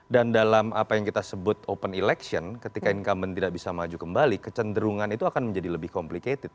dan dalam apa yang kita sebut open election ketika income tidak bisa maju kembali kecenderungan itu akan menjadi lebih complicated